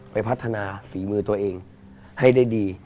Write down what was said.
ไปพัฒนาฝีมือตัวเองให้ได้ดี